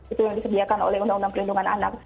itu yang disediakan oleh undang undang perlindungan anak